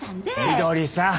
みどりさん！